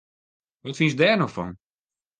Wat fynst dêr no fan!